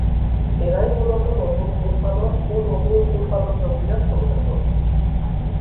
এরাই মূলত নতুন উৎপাদন ও নতুন উৎপাদন প্রক্রিয়ার সুবিধাভোগী।